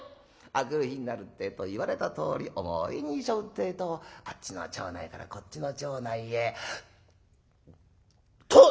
明くる日になるってえと言われたとおり重い荷背負うってえとあっちの町内からこっちの町内へ「とと」。